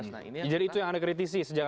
nah ini jadi itu yang anda kritisi sejak